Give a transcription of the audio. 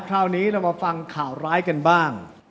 คราวนี้เรามาฟังข่าวร้ายกันบ้าง